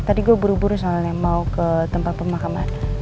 tadi gue buru buru soalnya mau ke tempat pemakaman